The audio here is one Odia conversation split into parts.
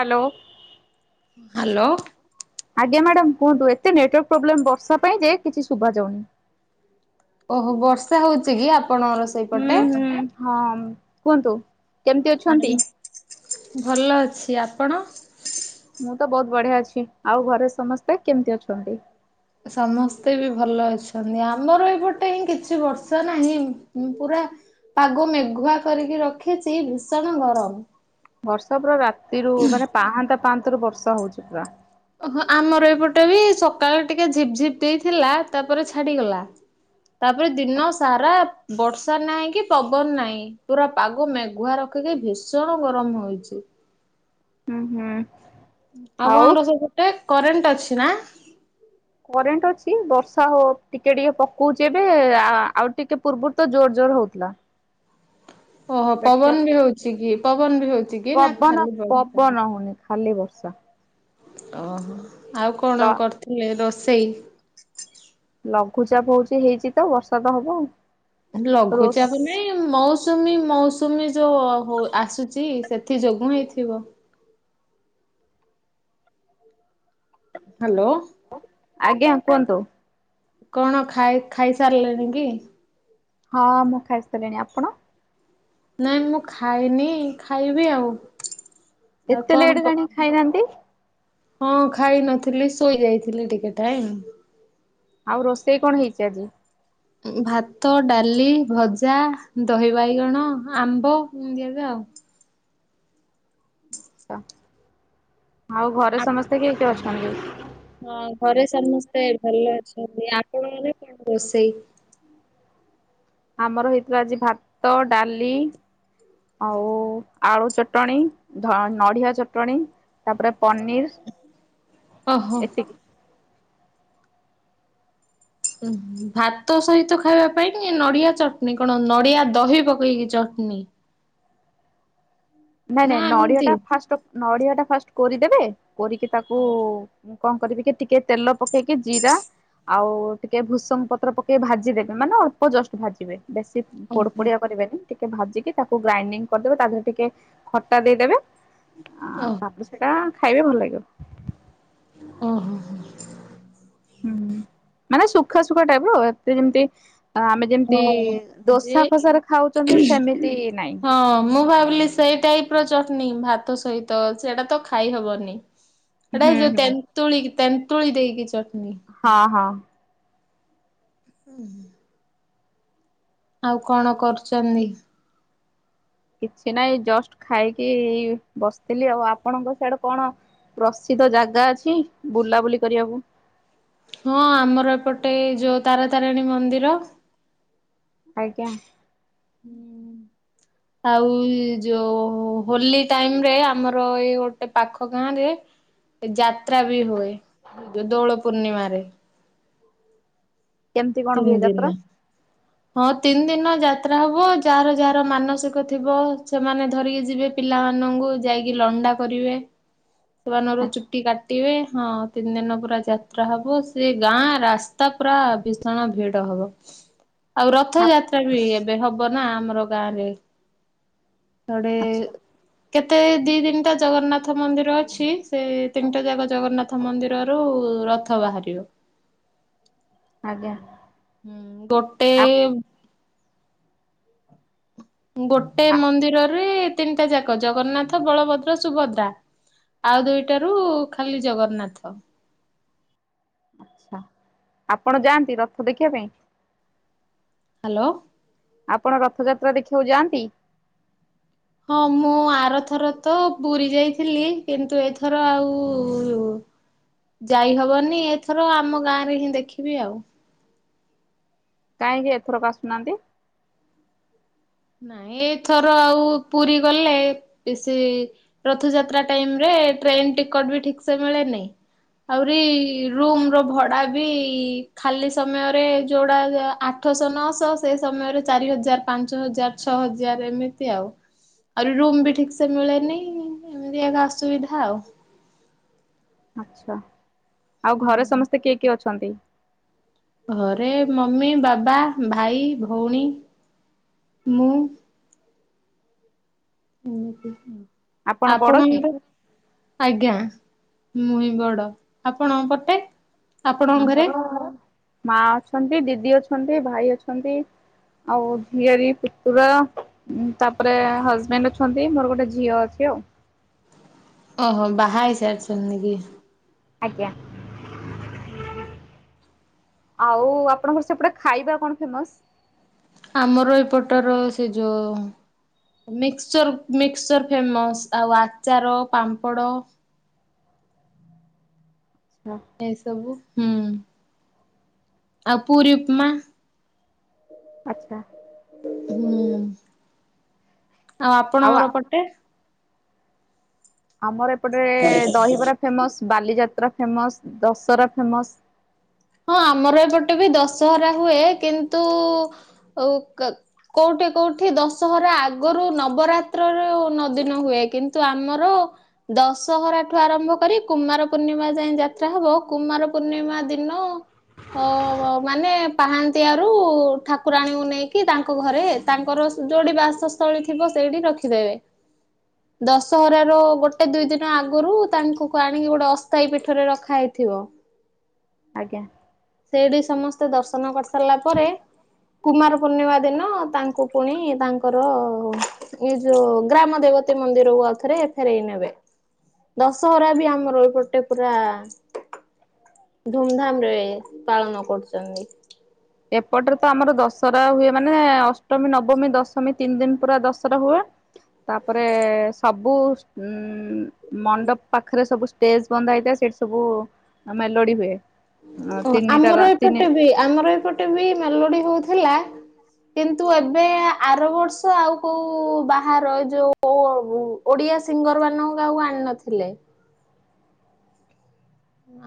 ହାଲୋ। ହାଲୋ। ଆଜ୍ଞା ମ୍ୟାଡ଼ାମ କୁହନ୍ତୁ? ଏତେ ନେଟୱର୍କ ପ୍ରୋବ୍ଲେମ ବର୍ଷା ପାଇଁ ଯେ କିଛି ଶୁଭା ଯାଉନି। ଓହୋ ବର୍ଷା ହଉଚ କି ଆପଣଙ୍କର ସେଇପଟେ? ହଁ କୁହନ୍ତୁ କେମିତି ଅଛନ୍ତି? ଆରେ ଭଲ ଅଛି ଆପଣ? ମୁଁ ତ ବହୁତ ବଢିଆ ଅଛି। ଆଉ ଘରେ ସମସ୍ତେ କେମିତି ଅଛନ୍ତି? ସମସ୍ତେ ବି ଭଲ ଅଛନ୍ତି। ଆମର ଏପଟେ ହିଁ କିଛି ବର୍ଷା ନାହିଁ ପୁରା ପାଗ ମେଘୁଆ କରିକି ରଖିଛି ଭୀଷଣ ଗରମ। ବର୍ଷା ପୁରା ରାତିରୁ ମାନେ ପାହାନ୍ତା ପାହାନ୍ତ ରୁ ବର୍ଷା ହୋଉଛି ପୁରା। ଓହୋ ଆମର ଏପଟେ ବି ସକାଳେ ଟିକେ ଝିପ ଝିପ୍ ଦେଇଥିଲା ତାପରେ ଛାଡିଗଲା। ତାପରେ ଦିନ ସାରା ବର୍ଷା ନାହିଁ କି ପବନ ନାହିଁ ପୁରା ପାଗ ମେଘୁଆର କେଇଠି ଭୀଷଣ ଗରମ ହଉଛି। ହୁଁ ହୁଁ। ଆଉ ଆପଣଙ୍କର ସେପଟେ କରେଣ୍ଟ ଅଛି ନା? କରେଣ୍ଟ ଅଛି ବର୍ଷା ହୋ ଟିକେ ଟିକେ ପକଉଛି ଏବେ ଆଉ ଟିକେ ପୂର୍ବରୁ ତ ଜୋରୋ ଜୋର ହୋଉଥିଲା। ଓହୋ ଏବେ ଟିକେ ପବନ ବି ହଉଛି କି ପବନ ବି ହଉଛି କି ନା ପବନ ଖାଲି ବର୍ଷା? ପବନ ହୋଉନି ଖାଲି ବର୍ଷା। ଓହୋ ଆଉ କଣ କରିଥିଲେ ରୋଷେଇ? ଲଘୁଚାପ ହଉଚି ହେଇଛି ତ ବର୍ଷା ତ ହବ ଆଉ। ରୋଷ୍ ଲଘୁଚାପ ନୁହେଁ ମୌସୁମୀ ମୌସୁମୀ ଯୋଉ ହୋ ଆସୁଛି ସେଥିଯୋଗୁଁ ହେଇଥିବ। ହାଲୋ। ଆଜ୍ଞା କୁହନ୍ତୁ। କଣ ଖାଇ ଖାଇ ସାରିଲେଣି କି? ହଁ ମୁଁ ଖାଇ ସାରିଲିଣି। ଆପଣ? ନାଇଁ ମୁଁ ଖାଇନି ଖାଇବି ଆଉ ଆଉ ଏତେ କଣ ଲେଟ୍ କ ହେଲାଣି ଖାଇନାହାନ୍ତି? ହଁ ଖାଇନଥିଲି ଶୋଇ ଯାଇଥିଲି ଟିକେ ଟାଇମ ଆଉ ରୋଷେଇ କଣ ହେଇଛି ଆଜି? ଭାତ ଡାଲି ଭଜା ଦହି ବାଇଗଣ ଆମ୍ବ ଏମିତିଆ ପ ପ ଆଉ ଘରେ ସମସ୍ତେ କିଏ କିଏ ଅଛନ୍ତି? ହଁ ଘରେ ସମସ୍ତେ ଭଲ ଅଛନ୍ତି। ଆପଣଙ୍କର କଣ ରୋଷେଇ? ହୁଁ [unintelligible] ଆମର ହେଇଥିଲା ଆଜି ଭାତ ଡାଲି ଆଉ ଆଳୁ ଚଟଣି ଧ ନଡିଆ ଚଟଣି ତାପରେ ପନିର ଓହୋ। ଏତିକି ଭାତ ସହିତ ଖାଇବା ପାଇଁ ନଡିଆ ଚଟଣି କଣ ନଡିଆ ଦହି ପକେଇକି ଚ ନି ନାଇଁ ନାଇଁ ନଡିଆ ଏମିତି। ଟା ଫାଷ୍ଟ ନଡିଆ ଟା ଫାଷ୍ଟ କୋରିଦେବେ କୋରିକି ତାକୁ କଣ କରିବେ କି ଟିକେ ତେଲ ପକେଇକି ଜିରା ଆଉ ଟିକେ ଭୂସଙ୍ଗ ପତ୍ର ପକେଇ ଭାଜିଦେବେ ମାନେ ଅଳ୍ପ ଜଷ୍ଟ ଭାଜିବେ। ବେଶୀ ପୋଡ ଓହୋ ପୋଡିଆ କରିବେନି ଟିକେ ଭାଜିକି ତାକୁ ଗ୍ରାଇଣ୍ଡିଙ୍ଗ କରିଦେବେ ତା ଦେହରେ ଟିକେ ଖଟା ଦେଇଦବେ ଆ ଓହୋ ତାପରେ ସେଟା ଖାଇବେ ଭଲ ଲାଗିବ। ଓହୋ ହଁ। ହୁଁ ମାନେ ସୁଖା ସୁୁଖା ଟାଇପ୍ ର ଏତେ ଯେମତି ଆମେ ଯେମତି ହଁ। ସେ ଦୋସା ଫୋସାରେ ଖାଉଚନ୍ତି ସେମିତି ନାଇଁ। ହଁ ମୁଁ ଭାବିଲି ସେଇ ଟାଇପ ର ଚଟନି ଭାତ ସହିତ ସେଟା ତ ଖାଇ ହବନି। ହେଟା ହୁଁ ଏଇଯୋଉ ହୁଁ ତେନ୍ତୁଳି ତେନ୍ତୁଳି ଦେଇକି ଚ ହଁ ହଁ। ହୁଁ। ଆଉ କଣ କରୁଚନ୍ତି? କିଛି ନାଇଁ ଏଇ ଜଷ୍ଟ ଖାଇକି ବସଥିଲି ଆଉ ଆପଣଙ୍କ ସିଆଡେ କଣ? ପ୍ରସିଦ୍ଧ ଜାଗା ଅଛି ବୁଲାବୁଲି କରିବାକୁ। ହଁ ଆମର ଏପଟେ ଯୋଉ ତାର ତାରିଣୀ ମନ୍ଦିର। ଆଜ୍ଞା। ହୁଁ। ଆଉ ଯୋଉ ହୋଲି ଟାଇମ୍ ରେ ଆମର ଏଇ ଗୋଟେ ପାଖ ଗାଁ ରେ ଯାାତ୍ରା ବି ହୁଏ ବ ଦୋଳ ପୂର୍ଣ୍ଣିମା ରେ। କେମତି କଣ ହୁଏ ଯାତ୍ରା? ଦିନ। ହଁ ତିନ ଦିନ ଯାତ୍ରା ହବ ଯାର ଯାର ମାନସିକ ଥିବ ସେମାନେ ଧରିକି ଯିବେ ପି ପିଲାମାନଙ୍କୁ ଯାଇକି ଲଣ୍ଡା କରିବେ ସେମାନଙ୍କର ଆଛା ଚୁଟି କାଟିବେ। ହଁ ତିନ୍ ଦିନ ପୁରା ଯାତ୍ରା ହବ ସେ ଗାଁ ରାସ୍ତା ପୁରା ଭୀଷଣ ଭିଡ ହବ। ଆଉ ରଥଯାତ୍ରା ବି ଏବେ ହବ ନା ଆମର ଗାଁରେ। ଆଛା [unintelligible] କେତେ ଦି ତିନ୍ ଟା ଜଗନ୍ନାଥ ମନ୍ଦିର ଅଛି ସେ ତିନ୍ ଟା ଯାକ ଜଗନ୍ନାଥ ମନ୍ଦିରରୁ ଉ ରଥ ବାହାରିବ। ହୁଁ ଆଜ୍ଞା ହୁଁ ଗୋଟେ ଗୋଟେ ଆଛା ମନ୍ଦିରରେ ତିନ୍ ଟା ଯାକ ଜଗନ୍ନାଥ ବଳଭଦ୍ର ସୁଭଦ୍ରା। ଆଉ ଦୁଇଟାରୁ ଖାଲି ଜଗନ୍ନାଥ। ଆଛା ଆପଣ ଯାଆନ୍ତି ରଥ ଦେଖିବା ପାଇଁ? ହାଲୋ। ଆପଣ ରଥଯାତ୍ରା ଦେଖିବାକୁ ଯାଆନ୍ତି? ହଁ ମୁଁ ଆର ଥର ତ ପୁରୀ ଯାଇଥିଲି କିନ୍ତୁ ଏଥର ଆଉ ଯାଇ ହବନି ଏଥର ଆମ ଗାଁ ରେ ହିଁ ଦେଖିବି ଆଉ। କାହିଁକି ଏଥରକ ଆସୁନାନ୍ତି। ନାଇଁ ଏଥର ଆଉ ପୁରୀ ଗଲେ ସେ ରଥଯାତ୍ରା ଟାଇମ୍ ରେ ଏ ଟ୍ରେନ ଟିକଟ ବି ଠିକ୍ ସେ ମିଳେନି। ଆଉରି ରୁମ୍ ର ଭଡା ବି ଖାଲି ସମୟରେ ଯୋଉଡା ଆ ଆଠଶ ନଅଶ ସେ ସମୟରେ ଚାରି ହଜାର୍ ପାଞ୍ଚ ହଜାର୍ ଛଅ ହଜାର୍ ଏମିତି ଆଉ। ଆଉରି ରୁମ୍ ବି ଠିକ ସେ ମିଳେନି ଏମିତି ଏକ ଅସୁବିଧା ଆଉ। ଆଛା ଆଉ ଘରେ ହୁଁ। ସମସ୍ତେ କିଏ କିଏ ଅଛନ୍ତି? ଘରେ ମମି, ବାବା, ଭାଇ, ଭଉଣୀ। ମୁଁ। ଆପଣ ବଡ କି? ଆପଣର ଆଜ୍ଞା। ମୁଁ ହିଁ ବଡ ଆପଣ ପଟେ। ଆପଣଙ୍କ ଘରେ? ଆମର ମା ଅଛନ୍ତି ଦିଦି ଅଛନ୍ତି ଭାଇ ଅଛନ୍ତି। ଆଉ ଝିଆରୀ, ପୁତୁରା ତାପରେ ହଜବେଣ୍ଡ୍ ଅଛନ୍ତି ମୋର ଗୋଟେ ଝିଅ ଅଛି। [unintelligible] ଓହୋ ବାହା ହେଇ ସାରିଛନ୍ତି କି? ଆଜ୍ଞା। ଓ ହୋ। ଆଉ ଆପଣଙ୍କର ସେପଟେ ଖାଇବା କଣ ଫେମସ୍? ଆମର ଏପଟର ସେ ଯୋ ମିକ୍ସଚର-ମିକ୍ସଚର ଫେମସ୍ ଆଉ ଆଚାର ପାମ୍ପଡ। ଆଚ୍ଛା ଏଇସବୁ ହୁଁ ଆଉ ପୁରୀ ଉପମା। ଆଚ୍ଛା। ହୁଁ ଆଉ ଆପଣଙ୍କର ପଟେ। ଆମର ଏପଟେ ଦହିବରା ଫେମସ ବାଲିଯାତ। ତ୍ରା ଫେମସ ଦଶହରା ଫେମସ। ହଁ ଆମର ଏପଟେ ବି ଦଶହରା ହୁଏ କିନ୍ତୁ। ଆଉ କା କୋଉଠି କୋଉଠି ଦଶହରା ଆଗରୁ ନବରାତ୍ରରୁ ନ ଦିନ ହୁଏ। କିନ୍ତୁ ଆମର ଦଶହରା ଠୁ ଆରମ୍ଭ କରି କୁମାର ପୂର୍ଣ୍ଣିମା ଯାଏଁ ଯାତ୍ରା ହବ କୁ କୁମାର ପୂର୍ଣ୍ଣିମା ଦିନ। ହ ମାନେ ପାହାନ୍ତିଆରୁ ଠାକୁରାଣୀଙ୍କୁ ନେଇକି ତାଙ୍କ ଘରେ ତାଙ୍କର ଯୋଉଠି ବାସସ୍ଥଳୀ ଥିବ ସେଇଠି ରଖିଦେବେ। ଦଶହରା ର ଗୋଟେ ଦୁଇ ଦିନ ଆଗରୁ ତାଙ୍କୁ ଆଣିକି ଗୋଟେ ଅସ୍ଥାୟୀ ପୀଠରେ ରଖା ହେଇଥି ଥିବ। ଆଜ୍ଞା। ସେଇଠି ସମସ୍ତେ ଦର୍ଶନ କରି ସାରିଲା ପରେ। କୁମାର ପୂର୍ଣ୍ଣିମା ଦିନ ତାଙ୍କୁ ପୁଣି ତାଙ୍କର ଏଇ ଯୋଉ ଗ୍ରାମ ଦେବୀ ପତି ମନ୍ଦିରକୁ ଆଉଥରେ ଫେରେଇ ନେବେ। ଦଶହରା ବି ଆମର ଏପଟେ ପୁରା ଧୁମଧାମ ରେ ପାଳନ କରୁଚନ୍ତି। ଏପଟରେ ତ ଆମର ଦଶହରା ହୁଏ ମାନେ ଅଷ୍ଟମୀ ନବମୀ ଦଶମୀ ତିନି ଦିନ ପୁରା ଦଶହରା ହୁଏ। ତାପରେ ସବୁ ଉଁ ମଣ୍ଡପ ପାଖରେ ସବୁ ଷ୍ଟେଜ ବନ୍ଧା ହେଇଥାଏ। ସେଠି ସବୁ ମେଲୋଡି ହୁଏ। ଓ ତିନିଟା ଆମର ତିନି ଏପଟେ ବି ଆମର ଏପଟେ ବି ମେଲୋଡି ହଉଥିଲା। କିନ୍ତୁ ଏବେ ଆର ବର୍ଷ ଆଉ କୋଉ ବାହାର ଯୋଉ ଓଡି ଓଡ଼ିଆ ସିଙ୍ଗର ମାନଙ୍କୁ କାହାକୁ ଆଣିନଥିଲେ।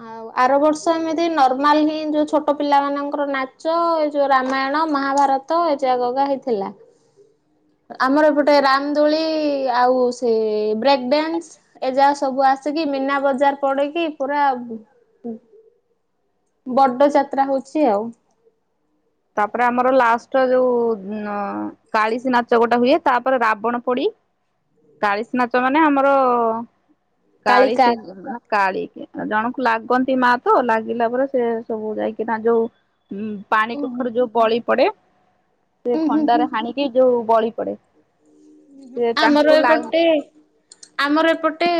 ଆ। ଆଉ ଆର ବର୍ଷ ଏମିତି ନର୍ମାଲ ହିଁ ଯୋଉ ଛୋଟ ପିଲା ମାନଙ୍କର ନାଚ ଏଇ ଯୋଉ ରାମାୟଣ ମହାଭା ଭାରତ ଏ ଜାଗକା ହେଇଥିଲା। ଆମରଏପଟେ ରାମ ଦୁଳି ଆଉ ସେ ବ୍ରେକ୍ ଡ୍ୟାନ୍ସ ଏଯା ସବୁ ଆ ଆସକିି ମୀନା ବଜାର ପଡିକି ପୁରା। ବଡ ଯାତ୍ରା ହଉଚି ଆଉ। ତାପରେ ଆମର ଲାଷ୍ଟ ଯୋଉ କାଳିଶୀ ନାଚ ଗୋଟା ହୁଏ ତାପରେ ରାବଣ ପୋଡି କାଳିସି ନାଚ ମାନେ ଆମର କାଳିକା କାଳିସି କାଳୀ ଜଣଙ୍କୁ ଲାଗନ୍ତି ମା ତ ଲାଗିଲା ପରେ ସେ ସବୁ ଯାଇକିନା ଯୋଉ ପାଣିକୁ ଯୋଉ ବଳି ପଡେ ସେ ଖଣ୍ଡାରେ ହାଣିକି ଯୋଉ ବଳି ପଡେ। ସେ ଆମର ତାଙ୍କୁ ଲା ଏପଟେ ଆମର ଏପଟେ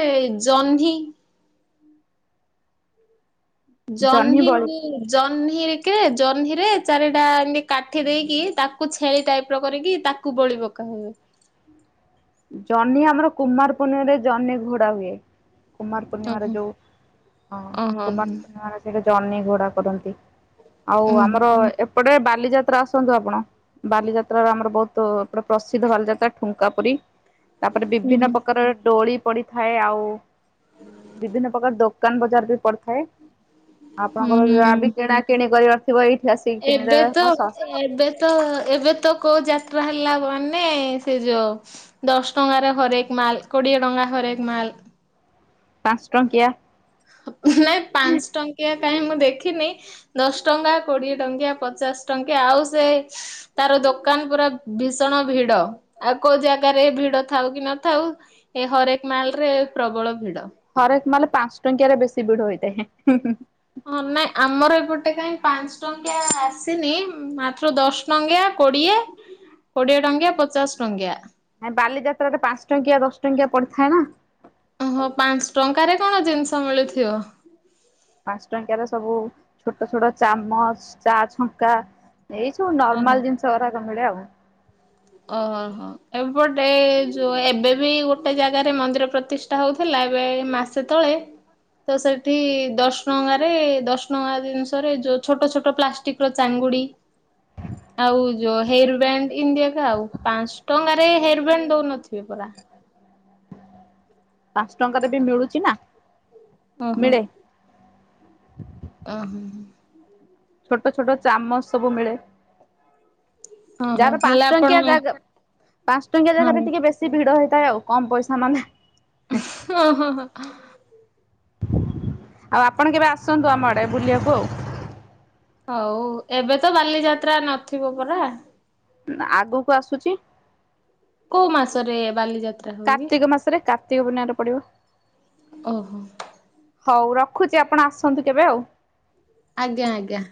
ଜହ୍ନି। ଜହ୍ନି ଙ୍ଗ ଜହ୍ନି। କେ ଜହ୍ନି ରେ ଚାରିଟା ଏମତି କାଠି ଦେଇକି ତାକୁ ଛେଳି ଟାଇପ ର କରିକି ତାକୁ ବଳିପକା ଆଉ [inaudible] ଜହ୍ନି ଆମର କୁମାର ପୂର୍ଣ୍ଣିମାରେ ଜହ୍ନି ଘୋଡା ହୁଏ। କୁମାର ହୁଁ ପୂର୍ଣ୍ଣିମାର ହୁଁ ଯୋଉ ହଁ ଓହୋ କୁମାର ହୁଁ ପୂର୍ଣ୍ଣିମାରେ ସେଇ ଜହ୍ନି ଘୋଡା କରନ୍ତି ଆଉ ଉଁ ଆମର ଏପଟେ ବାଲିଯାତ୍ରା ଆସନ୍ତୁ ଆପଣ। ବାଲିଯାତ୍ରା ର ଆମର ବହୁତ ପ୍ରସିଦ୍ଧ ବାଲିଯାତ୍ରା ଠୁଙ୍କା ପୁରୀ। ତାପରେ ହୁଁ ବିଭିନ୍ନ ହୁଁ ପ୍ରକାରର ଡୋଳି ପଡିଥାଏ ଆଉ ବିଭିନ୍ନ ପ୍ରକାର ଦୋକାନ ବଜାର ବି ପଡିଥାଏ। ଆପଣଙ୍କର ଯାହା ବି ହୁଁ। କିଣାକିିଣି କରିବା- ଏବେ ତ, ଏବେ ତ, ଏବେ ତ କୋଉ ଜାତ ତୁଆ ହେଲା ମାନେ, ସେ ଯୋଉ ଦଶ ଟଙ୍କାରେ ହରେକ ମାଲ, କୋଡିଏ ଟଙ୍କା ହରେକ ମାଲ [inaudible] ପାଞ୍ଚ ଟଙ୍କିଆ ନାଇଁ ପାଞ୍ଚ ଟଙ୍କିଆ କାହିଁ ମୁଁ ଦେଖିନି, ଦଶ ଟଙ୍କା, କୋଡିଏ ଟଙ୍କିଆ, ପଚାଶ ଟଙ୍କିଆ, ଆଉ ସେ ତାର ଦୋକାନ ପୁରା ଭୀଷଣ ଭିଡ। ଆଉ କୋଉ ଜାଗାରେ ଭିଡ ଥାଉ କି ନଥାଉ, ଏ ହରେ ହରେକ ମାଲରେ ପ୍ରବଳ ଭିଡ। ହରେକ ମାଲ ପାଞ୍ଚ ଟଙ୍କିଆରେ ବେଶୀ ଭିଡ ହୋଇଥାଏ। ହେଁ ହେଁ ହୁଁ ହୁଁ। ହଁ, ନାଇଁ ଆମର ଏପଟେ କାହିଁ ପାଞ୍ଚ ଟଙ୍କିଆ ଆସିନି। ମାତ୍ର ଦଶ ଟଙ୍କିଆ କୋଡିଏ, କୋଡିଏ ଟଙ୍କିଆ, ପଚାଶ ଟଙ୍କିଆ। ନାଇଁ ବାଲିଯାତ୍ରାରେ ପାଞ୍ଚ ଟଙ୍କିଆ, ଦଶ ଟଙ୍କିଆ ପଡିଥାଏ ନା। ଓହୋ। ପାଞ୍ଚଟଙ୍କାରେ କଣ ଜିନିଷ ମିଳୁଥିବ? ପାଞ୍ଚଟଙ୍କିଆରେ ସବୁ ଛୋଟ ଛୋଟ ଚାମଚ, ଚା ଛଙ୍କା ଏଇ ସବୁ ଓହୋ। ନର୍ମାଲ ଜିନିଷ ଗୁରାକ ସବୁ ମିଳେ ଆଉ। ଓହୋ ହଉ। ଏପଟେ ଯୋଉ ଏବେ ବି ଗୋଟେ ଜାଗାରେ ମନ୍ଦିର ପ୍ରତିଷ୍ଠା ହଉଥିଲା ଏବେ ଏଇ ମାସେ ତଳେ ତ ସେଠି ଦଶ ଟଙ୍କାରେ, ଦଶ ଟଙ୍କା ଜିନିଷରେ, ଯୋଉ ଛୋଟ ଛୋଟ ପ୍ଲାଷ୍ଟିକର ଚାଙ୍ଗ ଙ୍ଗୁଡି, ଆଉ ଯୋଉ ହେୟର ବ୍ୟାଣ୍ଡ, ଏମତି ଏକା ଏକା ଆଉ। ପାଞ୍ଚଟଙ୍କାରେ ହେୟାର ବେଣ୍ଡ ଦଉନଥିବେ ପରା? ପାଞ୍ଚଟଙ୍କାରେ ବି ମିଳୁଚି ନା। ଓହୋ। ମିଳେ। [inaudible] ଓହୋ ହୋ। ଛୋଟ ଛୋଟ ଚାମଚ ସବୁ ମିଳେ। ଓହୋ ଯାହାର ହେଲେ ଆପଣ ପାଞ୍ଚଟଙ୍କିଆ ଜାଗା, ପାଞ୍ଚଟଙ୍କିଆ ହଁ ଜାଗାରେ ଟିକେ ବେଶୀ ଭିଡ ହେଇ ଥାଏ ଆଉ। କମ ପଇସା ମାନେ ଉଁହୁଁ, ଓହୋ ହୋ। ଆଉ ଆପଣ କେବେ ଆସନ୍ତୁ ଆମ ଆଡେ ବୁଲିଆକୁ ଆଉ। ହଉ, ଏବେ ତ ବାଲିଯାତ୍ରା ନଥିବ ପରା। ତ ଆଗକୁ ଆସୁଚି। କୋଉ ମାସରେ ବାଲିଯାତ୍ କାର୍ତ୍ତିକ ମାସରେ, କାର୍ତ୍ତିକ ପୂର୍ଣ୍ଣିମାରେ ପଡିବ। ଓହୋ ହଉ ରଖୁଛି ଆପଣ ଆସନ୍ତୁ କେବେ ଆଉ। ଆଜ୍ଞା ଆଜ୍ଞା।